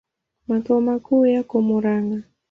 Makao makuu yako Murang'a.